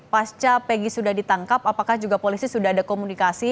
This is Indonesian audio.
pasca peggy sudah ditangkap apakah juga polisi sudah ada komunikasi